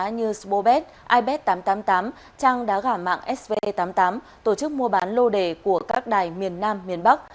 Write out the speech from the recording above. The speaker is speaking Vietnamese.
như spobet ipad tám trăm tám mươi tám trang đá gả mạng sv tám mươi tám tổ chức mua bán lô đề của các đài miền nam miền bắc